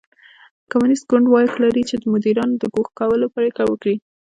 کمونېست ګوند واک لري چې د مدیرانو د ګوښه کولو پرېکړه وکړي.